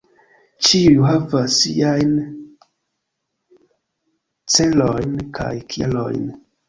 Ĉiuj havas siajn celojn, kaj kialojn.